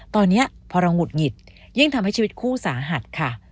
ตอนนี้พอเราหุดหงิดยิ่งทำให้ชีวิตคู่สาหัสค่ะ